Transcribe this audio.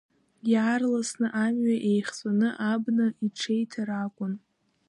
Иаарласны амҩа еихҵәаны абна иҽеиҭар акәын.